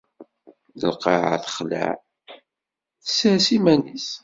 Lqaɛa texleɛ, tsers iman-is.